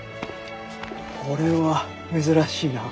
これは珍しいな。